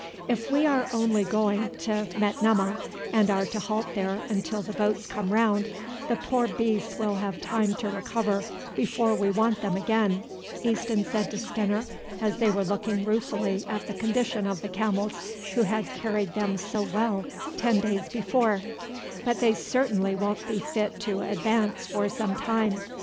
"If we are only going to Metemmeh, and are to halt there until the boats come round, the poor beasts will have time to recover before we want them again," Easton said to Skinner as they were looking ruefully at the condition of the camels who had carried them so well ten days before; "but they certainly won't be fit to advance for some time.